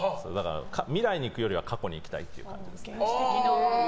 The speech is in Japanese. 未来に行くよりは過去に行きたい感じですね。